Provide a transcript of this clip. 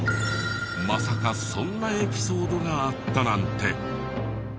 まさかそんなエピソードがあったなんて。